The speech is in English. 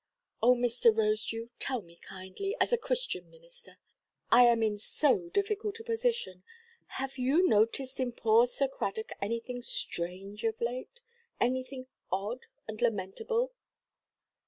"Oh, Mr. Rosedew, tell me kindly, as a Christian minister; I am in so difficult a position,—have you noticed in poor Sir Cradock anything strange of late, anything odd and lamentable?"